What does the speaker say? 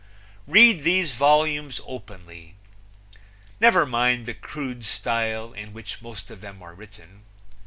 Read these volumes openly. Never mind the crude style in which most of them are written.